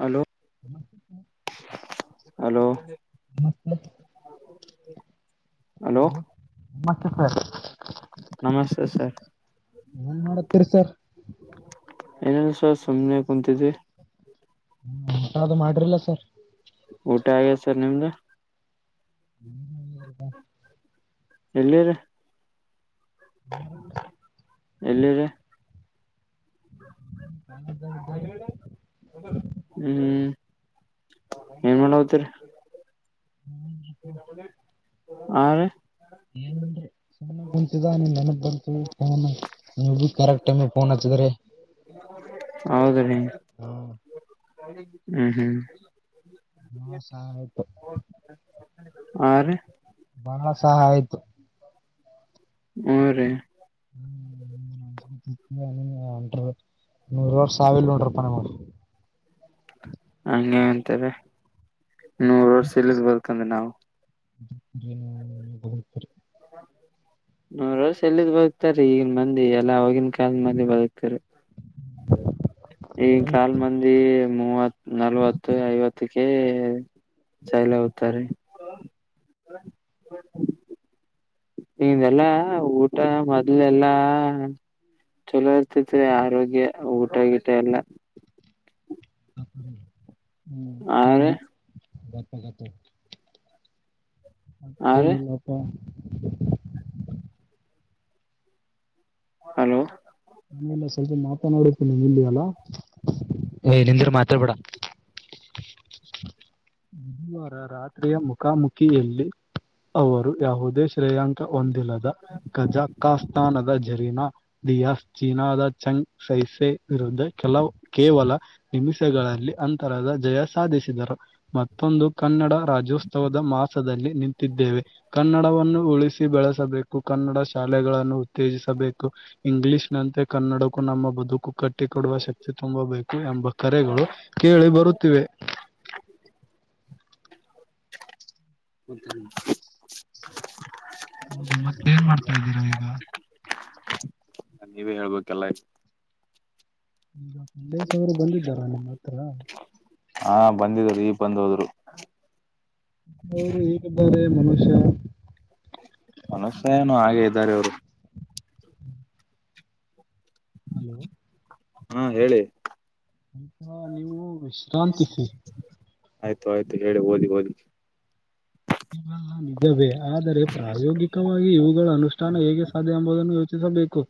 Hello [inaudible] hello hello ನಮಸ್ತೆ sir. ನಮಸ್ತೆ sir ಏನ್ ಮಾಡತ್ತರಿ ಸರ್. ಏನಿಲ್ಲ ಸುಮ್ಮನೆ ಕುೂಂತಿದ್ವಿ ಅದು ಮಾಡ್ರಿಲ್ಲ ಸರ್. ಊಟ ಆಗೈತೆ ಸರ್ ನಿಮ್ದ. [inaudible] ಎಲ್ಲಿರೆ. ಎಲ್ಲಿರೇ. [inaudible] ಹ್ಮ್ ಏನ್ ಮಾಡುವತಿರಿ. [inaudible] ಹಾರೀ. [unintelligible] ಫೋನೇ ಹಚ್ಚಿದ್ರೆ. ಹೌದರೀ ಹ್ಮ್ ಹ್ಮ್. [unintelligible] ಹಾರೀ ಬಹಳ ಸಹಾಯ ಆಯ್ತು. ಹುನ್ರಿ. ಸಾವಿಲ್ಲ ನೋಡ್ರಪ್ಪ ನಂಗೆ. ಹಂಗೆ ಅಂತವೆ ನೂರ್ ವರ್ಷ ಇಲ್ಲದ ಬರ್ತಂದ ನಾವು. [inaudible] ನೂರ್ ವರ್ಷ ಎಲ್ಲಿದ್ ಬದುತಾರ ಈಗಿನ ಮಂದಿ ಎಲ್ಲಾ ಹೋಗಿನ ಕಾಲದ ಮಂದಿ ಬದುಕ್ತಿದ್ರು. [inaudible] ಈಕಾಲ್ ಮಂದಿ ಮೂವತ್. ನಲ್ವತ್ತು ಐವತ್ತಕ್ಕೆ ಚೈಲ ಹೋಗತಾರೆ. ಇದೆಲ್ಲಾ ಊಟ ಮೊದ್ಲೆಲ್ಲಾ. ಚಲೋ ಇರ್ತತಿ ಆರೋಗ್ಯ ಊಟ ಗಿಟ ಎಲ್ಲ. ಆರ [unintelligible] ಆರ ಏನಿಲಪ್ಪ. ಹಲೋ ನಿಂದ್ರು ಮಾತಾಡ್ಬೇಡ [inaudible] ಬುಧವಾರ ರಾತ್ರಿಯ ಮುಖಾಮುಖಿಯಲ್ಲಿ ಅವರು ಯಾವುದೇ ಶ್ರೇಯಾಂಕ. ಹೊಂದಿಲ್ಲದ ಕಜಾಕಸ್ತಾನದ ಜರಿನ ದಿಯಾ. ಚೀನಾದ ಚಂಗ್ ಸೈಸೆ ವಿರುದ್ಧ ಕೆಲವು ಕೇವಲ. ನಿಮಿಷಗಳಲ್ಲಿ ಅಂತರದ ಜಯ ಸಾಧಿಸಿದರು. ಮತ್ತೊಂದು ಕನ್ನಡ ರಾಜ್ಯೋತ್ಸವದ ಮಾಸದಲ್ಲಿ ನಿಂತಿದ್ದೇವೆ ಕನ್ನಡವನ್ನು ಉಳಿಸಿ ಬೆಳಸ್ ಸಬೇಕು ಕನ್ನಡ ಶಾಲೆಗಳನ್ನು ಉತ್ತೇಜಿಸಬೇಕು ಇಂಗ್ಲೀಷ್ ನಂತೆ ಕನ್ನಡಕ್ಕೂ ನಮ್ಮ ಬದುಕು ಕಟ್ಟಿ ಕೊಡುವ ಶಕ್ತಿ ತುಂಬಬೇಕು ಎಂಬ ಕರೆಗಳು ಕೇಳಿ ಬರುತ್ತಿವೆ. ಹತ [unintelligible] ಹೌದು ಮತ್ತೇನ್ ಮಾಡ್ತಾ ಇದ್ದೀರಾ ಈಗ. ನೀವೇ ಹೇಳ್ಬೇಕೆಲ್ಲ ಆಯ್ ಈಗ ಕಲ್ಲೇಶ್ ಅವರು ಬಂದಿದ್ದಾರ ನಿಮ್ಮ ಹತ್ರ. ಹಾ ಬಂದಿದ್ರೂ ಈಗ ಬಂದ್ ಹೋದ್ರು. ಅವರು ಹೇಗಿದ್ದಾರೆ ಮನುಷ್ಯ. ಮನುಷ್ಯ ಏನು ಹಾಗೆ ಇದ್ದಾರೆ ಇವ್ರು. ಹಲೋ ಹಾ ಹೇಳಿ ಸ್ವಲ್ಪ ನೀವು ವಿಶ್ರಾಂತಿಸಿ. ಆಯ್ತು ಆಯ್ತು ಹೇಳಿ ಓದಿ ಓದಿ. ಇವೆಲ್ಲ ನಿಜವೇ ಆದರೆ ಪ್ರಾಯೋಗಿಕವಾಗಿ ಇವುಗಳ ಅನುಷ್ಠಾನ ಹೇಗೆ ಸಾಧ್ಯ ಎಂಬುದನ್ನು ಯೋಚಿಸಬೇಕು.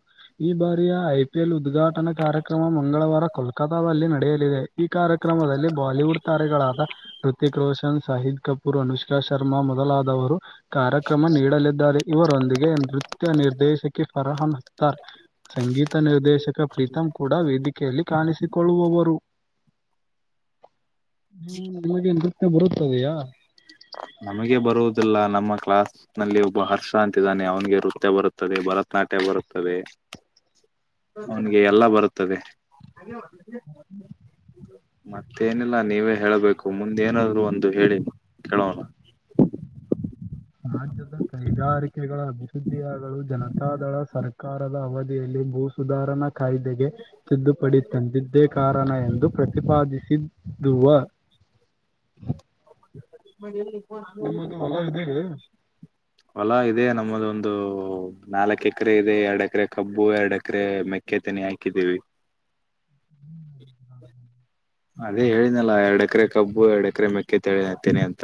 ಈ ಬಾರಿಯ ಐ ಪಿ ಎಲ್ ಉದ್ಘಾಟನಾ ಕಾರ್ಯಕ್ರಮ ಮಂಗಳವಾರ ಕೋಲ್ಕತಾದಲ್ಲಿ ನಡೆಯಲಿದೆ. ಈ ಕಾರ್ಯಕ್ರಮದಲ್ಲಿ ಬಾಲಿವುಡ್ ತಾರೆಗಳಾದ ಹೃತಿಕ್ ರೋಷನ್ ಸಹೀದ್ ಕಪೂರ್ ಅನುಷ್ಕಾ ಶಾ ಶರ್ಮಾ ಮೊದಲಾದವರು ಕಾರ್ಯಕ್ರಮ ನೀಡಲಿದ್ದಾರೆ ಇವರೊಂದಿಗೆ ನೃತ್ಯ ನಿರ್ದೇಶಕಿ ಫರಹನ್ ಹತ್ತಾರ್ ಸಂಗೀತ ನಿರ್ದೇಶಕ ಪ್ರೀತಂ ಕೂಡ ವೇದಿಕೆಯಲ್ಲಿ ಕಾಣಿಸಿಕೊಳ್ಳುವವರು. ನೀವು ನಿಮಗೆ ನೃತ್ಯ ಬರುತ್ತದೆಯಾ. ನಮಗೆ ಬರುದಿಲ್ಲ ನಮ್ಮ ಕ್ಲಾಸ್ ನಲ್ಲಿ ಒಬ್ಬ ಹರ್ಷ ಅಂತಿದ್ದಾನೆ ಅವನಿಗೆ ನೃತ್ಯ ಬರುತ್ತದೆ ಭರತನಾಟ್ಯ ಬರುತ್ತದೆ. ಅವನಿಗೆ ಎಲ್ಲಾ ಬರುತ್ತದೆ. ಮತ್ತೇನಿಲ್ಲ ನೀವೇ ಹೇಳಬೇಕು ಮುಂದೆ ಏನಾದ್ರು ಒಂದು ಹೇಳಿ ಕೇಳೋಣ. ರಾಜ್ಯದ ಕೈಗಾರಿಕೆಗಳ ಅಭಿವೃದ್ಧಿಯಾಗಲು ಜನತಾದಳ ಸರ್ ಕಾರದ ಅವಧಿಯಲ್ಲಿ ಭೂ ಸುಧಾರಣಾ ಕಾಯ್ದೆಗೆ ತಿದ್ದುಪಡಿ ತಂದಿದ್ದೇ ಕಾರಣ ಎಂದು ಪ್ರತಿಪಾದಿಸಿರುವ ಮ ವರ್ಷ ನಿಮ್ಮದು ಹೊಲ ಇದೆಯೇ [unintelligible] ಹೊಲ ಇದೆ ನಮ್ಮಲ್ಲಿ ಒಂದು ನಾಲ್ಕು ಎಕರೆ ಇದೆ ಎರಡು ಎಕರೆ ಕಬ್ಬು ಎರಡು ಎಕರೆ ಮೆ ಕ್ಕೆ ತೆನೆ ಹಾಕಿದ್ದೀವಿ. ಹ್ಮ್ ಅದೇ ಹೇಳಿದಿನಲ್ಲ ಎರಡು ಎಕರೆ ಕಬ್ಬು ಎರಡು ಎಕರೆ ಮೆಕ್ಕೆ ತೆನೆ ಅಂತ.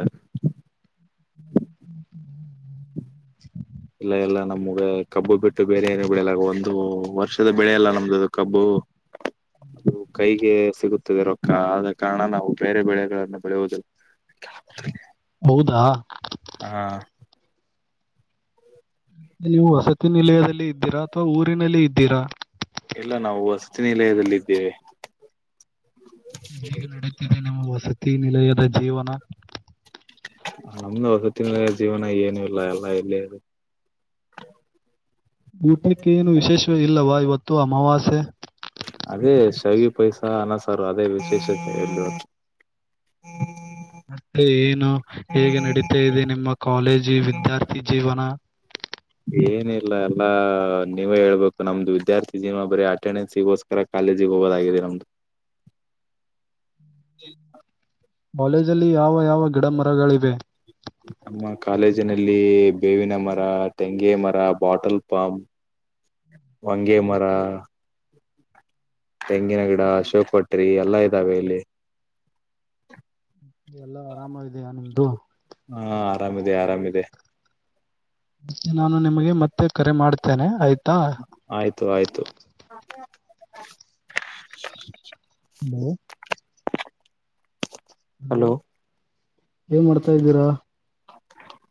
ಹ [unintelligible] ಇಲ್ಲ ಎಲ್ಲ ನಮ್ಗೆ ಕಬ್ಬು ಬಿಟ್ಟು ಬೇರೆ ಏನು ಬೆಳೆಯಲ್ಲ ಒಂದು ವರ್ಷದ ಬೆಳೆಯಲ್ಲ ನಮ್ದದು ಕಬ್ಬು. [unintelligible] ಇದು ಕೈಗೆ ಸಿಗುತ್ತದೆ ರೊಕ್ಕ ಆದ ಕಾರಣ ನಾವು ಬೇರೆ ಬೆಳೆಗಳನ್ನು ಬೆಳೆಯುವುದಿಲ್ಲ. ಹೌದಾ ಹಾ ನೀವು ವಸತಿ ನಿಲಯದಲ್ಲಿ ಇದ್ದೀರಾ ಅಥವಾ ಊರಿನಲ್ಲಿ ಇದ್ದೀರಾ. ಇಲ್ಲ ನಾವು ವಸತಿ ನಿಲಯದಲ್ಲಿ ಇದ್ದೇವೆ. ಹೇಗೆ ನಡೀತಿದೆ ನಿಮ್ಮ ವಸತಿ ನಿಲಯದ ಜೀವನ. ನಮ್ದು ವಸತಿ ನಿಲಯದ ಜೀವನ ಏನು ಇಲ್ಲ ಎಲ್ಲಾ ಇಲ್ಲೇ ಊಟಕ್ಕೆ ಏನು ವಿಶೇಷ ಇಲ್ಲವಾ ಇವತ್ತು ಅಮಾವಾಸ್ಯೆ. ಅದೇ ಶೌಿ ಪೈಸ ಅನಸಾರು ಅದೇ ವಿಶೇಷತೆ ಹೇಳ. ಮತ್ತೆ ಏನು ಹೇಗೆ ನಡೀತಾ ಇದೆ ನಿಮ್ಮ ಕಾಲೇಜಿ ವಿದ್ಯಾರ್ಥಿ ಜೀವನ. ಏನಿಲ್ಲ ಎಲ್ಲಾ ನೀವೇ ಹೇಳ್ಬೇಕು ನಮ್ದು ವಿದ್ಯಾರ್ಥಿ ಜೀನ್ವ ಬರೀ ಅಟೆಂಡೆನ್ಸಿಗೋಸ್ಕರ. ಕಾಲೇಜಿಗೆ ಹೋಗೋದಾಗಿದ್ದೀ ನ್ದದು. ಹ- ಕಾಲೇಜಲ್ಲಿ ಯಾವ ಯಾವ ಗಿಡ ಮರಗಳಿವೆ. ನಮ್ಮ ಕಾಲೇಜಿನಲ್ಲಿ ಬೇವಿನ ಮರ ತೆಂಗೆ ಮರ ಬಾಟಲ್ ಪಾಮ. ವಂಗೇ ಮರ. ತೆಂಗಿನ ಗಿಡ ಶಿವಕಪಟ್ರಿ ಎಲ್ಲಾ ಇದ್ದಾವೆ ಇಲ್ಲಿ. ಇ ಎಲ್ಲಾ ಆರಾಮ ಇದ ಇದೆಯಾ ನಿಮ್ದು. ಹಾ ಆರಾಮಿದೆ ಆರಾಮಿದೆ. ಮತ್ತೆ ನಾನು ನಿಮಗೆ ಮತ್ತೆ ಕರೆ ಮಾಡ್ತೇನೆ ಆಯ್ತಾ. ಆಯ್ತು ಆಯ್ತು. ಹ- ಹಲೋ. ಹಲೋ ಏನ್ ಮಾಡ್ತಾ ಇದ್ದೀರಾ.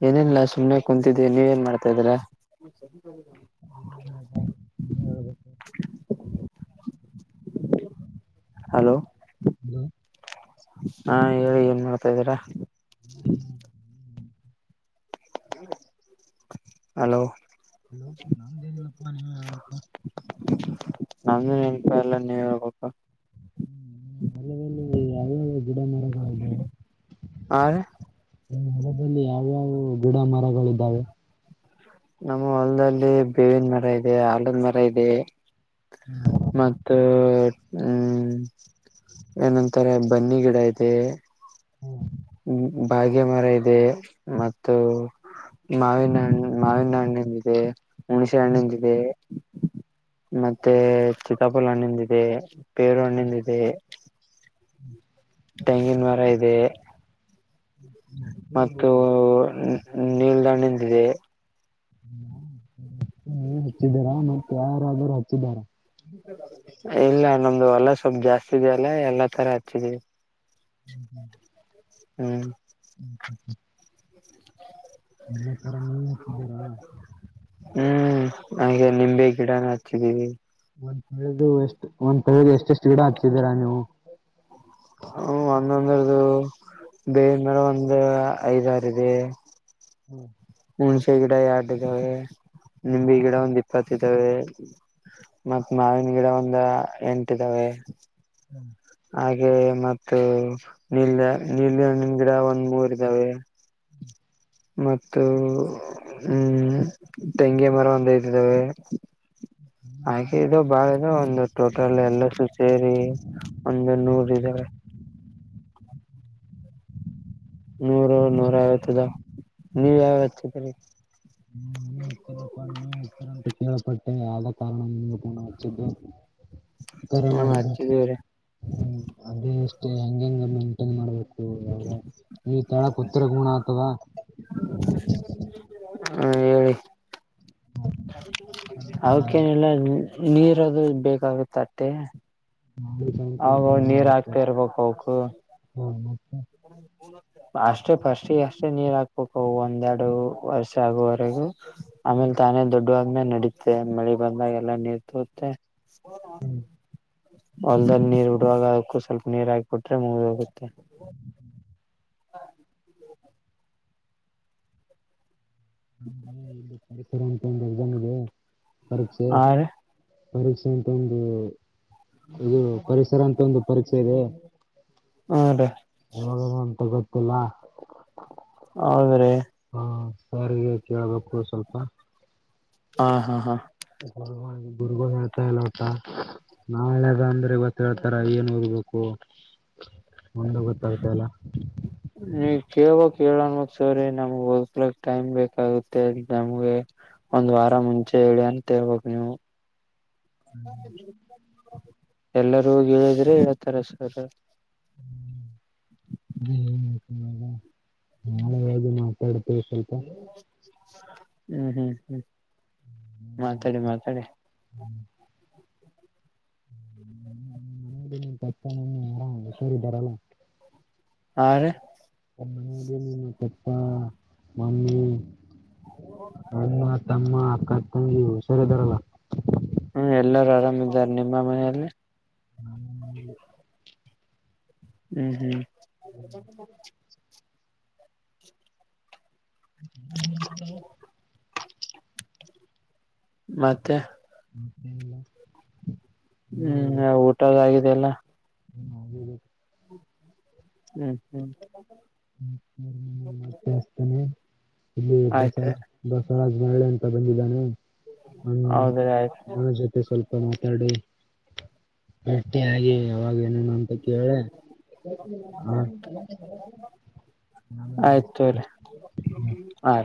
ಏನಿಲ್ಲ ಸುಮನೆ ಕುಂತಿದ್ದಿ ನೀವ ಏನ್ ಮಾಡ್ತಾ ಇದೀರಾ. [inaudible] [unintelligible] ಹಲೋ. [unintelligible] ಹಾ ಹೇಳಿ ಏನ್ ಮಾಡ್ತಾ ಇದಿರಾ. [unintelligible] ಹಲೋ. ಹಲೋ ನಂದೇನಿಲ್ಲಪ್ಪ ನೀವೇ ಹೇಳ್ಬೇಕು. ನಂದು ನೆನ್ಪ ಎಲ್ಲ ನೀವ ಹಬೇಕ. [unintelligible] ಹಾ. ಹೊರದಲ್ಲಿ ಯಾವ್ಯಾವ ಗಿಡ ಮರಗಳಿದ್ದಾವೆ. ನಮ್ಮ ಹೊಲ್ದಲ್ಲಿ ಬೇವಿನ ಮರ ಇದೆ. ಮರ ಇದೆ ಮತ್ತ. ಹ್ಮ್ ಏನಂತಾರೆ ಬನ್ನಿ ಗಿಡ ಇದೆ. ಬಾಗ್ಯ ಮರ ಇದೆ ಮತ್ತು. ಮಾವಿನಣ ಮಾವಿನ ಹಣ್ಣಲ್ಲಿದೆ. ಹುಣಸೆ ಹಣ್ಣಂದಿದೆ ಮತ್ತೆ ಚಿತಾಪಲ್ ಹಣ್ಣಂದಿದೆ. ಪೇರುಹಣ್ಣಿ ದಿದೆ. [unintelligible] ತೆಂಗಿನ ಮರ ಇದೆ. ಮತ್ತು ನೀಲ್ದಾಣಿಂದ ಇದೆ. ಹಚ್ಚಿದಾರ ಮತ್ತೆ ಯಾರಾದರುಹಚ್ಚಿದಾರ. ಇಲ್ಲ ನಮ್ದು ಹೊಲ್ಲ ಸ್ವಲ್ಪ್ ಜಾಸ್ತಿ ಇದೆಯಲ್ಲ ಎಲ್ಲಾ ತರ ಹಚ್ಚಿದೀವಿ. ಹ್ಮ್. [unintelligible] [unintelligible] [inaudible] ಹ್ಮ್ ಹಾಗೆ ನಿಂಬೆ ಗಿಡನ ಹಚ್ಚಿದೀವಿ. ಒಂದ್ ತಳದು ಎಷ್ಟು ಒಂದ್ ತಳ್ದ ಎಷ್ಟ ಎಷ್ಟು ಗಿಡ ಹಚ್ಚಿದೀರಾ ನೀವು. ಹ ಒಂದೊಂದರದು ಬೇವಿನಮರ ಒಂದ್ ಐದಾರ ಇದೆ. ಹ್ಮ್- ಹುಣ್ಸೆ ಗಿಡ ಎರಡ ಇದ್ದಾವೆ ನಿಂಬೆ ಗಿಡ ಒಂದಿ. ಇಪ್ಪತ್ ಇದಾವೆ ಮತ್ತ್ ಮಾವಿನ ಗಿಡ ಒಂದ ಎಂಟ್ದಾವೆ. ಹ್ಮ್- ಹಾಗೆ ಮ ನೀಲ್ ನೀಲ್ದಂಣ್ಣಿನ ಗಿಡ ಒಂದ್ ಮೂರ್ ಇದ್ದಾವೆ. ಮತ್ತು ಹ್ಮ್ ತೆಂಗಿ ಮರ ಒಂದ ಐದ್ ತಿದ್ದಾವೆ. ಹಾಗೆ ಇದು ಬಾಳದು ಒಂದು. ಟೋಟಲ್ ಎಲ್ಲು ಸೇರಿ ಒಂದು ನೂರ ಇದಾರೆ. ನೂರು ನೂರವತ್ದ ನೀವ ಯಾವಚ್ಚತಿರಿೀ. [unintelligible] ಿನ ಪಾನೇ ತರಂತ ಕೀೇಳಪಟ್ಟ ಯಾವ ಕಾರಾರ್ಣ ನೀಂಗ ಪಣ ವಚ್ಚದುು. ಕರೆ ಮಾಡ ಹ್ಮ್ ಹ್ಮ ಹಚ್ಚಿದೀವ್ರಿ ಅ ಅಷ್ಟೇ ಹಂಗಂಗ ಮೇಂಟೈನ್ ಮಾಡ್ಬೇಕು. ಈ ತಳ ಪತ್ತ ಗುಣ ಅಥವಾ. ಹ್ಮ- ಅವಕ್ಕೇನಿಲ್ಲ ನೀರದು ಬೇಕಾಗುತ್ತೆ ಅಟ್ಟೆ. ಹ ನೀರ್ ಆಗ್ತಾ ಇರ್ಬೇಕ ಅವಕು. ಹಾ- ಅಷ್ಟೇ ಫಸ್ಟ್ಿಗೆ ಅಷ್ಟೇ ನೀರ್ ಹಾಕ್ಬೇಕ ಒಂದೆರಡು ವರ್ಷ ಆಗುವವರೆಗೂ. ಆಮೇಲೆ ತಾನೇ ದೊಡ್ಡ. ದುಡಾದ್ಮೇ ನಡೀತ್ತೆ ಮಳೆ ಬಂದಾಗ ಎಲ್ಲ ನೀರ್ ತೋತ್ತೆ. ಹೊಲ್ದಲ್ಲಿ ನೀರ್ ಉಡುವಾಗ ಅದಕ್ಕೂ ಸ್ವಲ್ಪ ನೀರ್ ಹಾಕಿಬಿಟ್ರೆ ಮುಗಿದ ಹೋಗುತ್ತೆ. ಅಂತ ಒಂದು ಎಕ್ಸಾಮ್ ಇದೆ ಪರೀಕ್ಷೆ ಆ ರೀ ಪರೀಕ್ಷೆ ಅಂತ ಒಂದು. ಇದು ಪರಿಸರ ಅಂತ ಒಂದು ಪರೀಕ್ಷೆ ಇದೆ. ಹಾ ರೀ. ಯಾವಾಗದಂಥ ಗೊತ್ತಿಲ್ಲ. ಹೌದ್ರೀ. ಹಾ ಸಾರಿಗೆ ಕೇಳ್ಬೇಕು ಸ್ವಲ್ಪ. ಹಾ ಹಾ ಹಾ ಗುರುಗಳು ಹೇಳ್ತಾ ಇಲ್ಲ ಒಟ್ಟ. ನಾಳೆದ ಅಂದ್ರೆ ಗತ್ತ ಹೇಳ್ತಾರ ಏನ್ ಹೋಗ್ಬೇಕು. ಮುಂದ ಗೊತ್ತಾಗತ ಅಲ್ಲ. ನೀವ ಕೇಳ್ಬಕ್ ಹೇಳೇಳಣದ ಸರಿ ನಮ್ಗ್ ಹ್ಲಕ್ ಟೈಮ್ ಬೇಕಾಗುತ್ತೆ ನಮ್ಗೆ. ಒಂದ್ ವಾರ ಮುಂಚೆ ಹೇಳಿ ಅಂತೇಳ್ಬ ನೀವು. ಎಲ್ಲರೂ ಹ ಹೇಳಿದ್ರೆ ಹೇಳ್ತರ ಸರ್. [inaudible] [inaudible] ದು ಮಾತಾಡ್ತೇವೆ ಸ್ವಲ್ಪ. ಹ್ಮ್ ಹ್ಮ್ ಹ್ಮ್ ಮಾತಾಡಿ ಮಾತಾಡಿ. ಹ್ಮ್- ಹ್ಮ್ ಮನ ತ ಆರಾಮ ಹಷರ ಇದ್ದಾರಲ್ಲಾ. ಹ ರಿ. ಒ ಮನೆಯಲ್ಲಿ ನಿಮ್ಮ ಚಪ್ಪ ಮಮ್ಮಿ ಅಮ್ಮ. ತಮ್ಮ ಅಕ್ಕ ಅ ತಂಗಿ ಹುಷಾರ ಇದಾರಲ್ಲ. ಹ್ಮ್, ಎಲ್ಲರೂ ಆರಾಮಿದ್ದಾರೆ. ನಿಮ್ಮ ಮನೆಯಲ್ಲಿ ನ [unintelligible] ಹ್ಮ್, ಹ್ಮ್ [inaudible] ಹ್ಮ [inaudible] ಸ [unintelligible] ಮತ್ತೆ [unintelligible] [inaudible] ಹ್ಮ್, ಊಟದ ಆಗಿದೆಲ್ಲ ಹ್ಮ [unintelligible] ಹ್ಮ್, ಹ್ಮ್ ತಾಯಸ್ತಾನನೆ ಇಲ್ಲಿ ಬಸ ಆಯ್ತ್ರಿ [unintelligible] ಬಸವರಾಜ್ ಮಹಳೆ ಅಂತ ಬಂದಿದ್ದಾನೆ ಹ ಹೌದ್ರಿ ಆಯ್ತ್ ಅವನ ಜೊತೆ ಸ್ವಲ್ಪ ಮಾತಾಡಿ ಬೆಟ್ಟಿ ಆಗಿ ಯಾವಾಗೇಏನನು ಅಂತ ಕೇಳಿ ಹಾ [inaudible] ಆಯ್ತ್ ತಗೊರಿ ಹಾ-